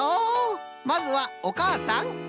まずはおかあさん。